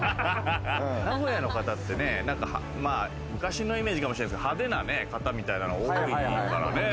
名古屋の方ってね、昔のイメージかもしれないけど、派手な方みたいなのが多いからね。